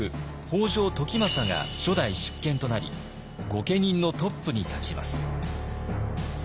北条時政が初代執権となり御家人のトップに立ちます。